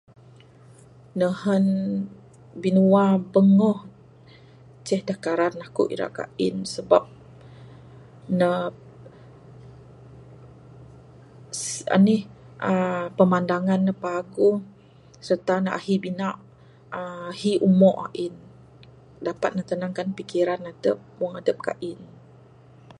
Nehen binua Bengoh ceh da karan aku ira gain sabab ne...anih uhh pemandangan ne paguh serta ne ahi bina ahi umo ain dapat ne tenangkan pikiran adep wang adep gain.